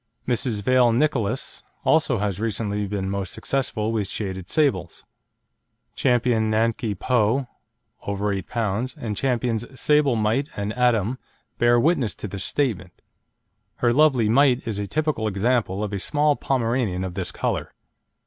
Mrs. Vale Nicolas also has recently been most successful with shaded sables. Ch. Nanky Po, over 8 lb., and Champions Sable Mite and Atom bear witness to this statement. Her lovely Mite is a typical example of a small Pomeranian of this colour.